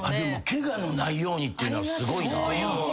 ケガのないようにっていうのはすごいな。